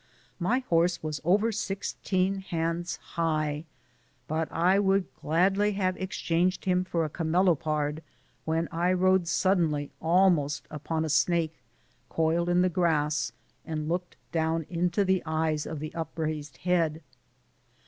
My horse was over sixteen hands high, but I would gladly have exchanged him for a camelopard when I rode suddenly almost upon a snake coiled in the grass, and looked down into the eyes of the upraised liead.